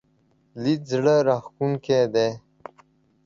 لید زړه راښکونکی دی.